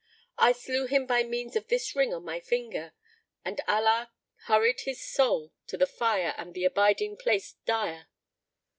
I slew him by means of this ring on my finger, and Allah hurried his soul to the fire and the abiding place dire."